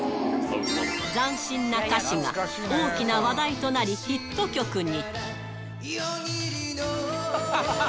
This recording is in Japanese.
斬新な歌詞が大きな話題となり、ヒット曲に。